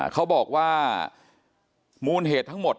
เขาบอกว่ามูลเหตุทั้งหมด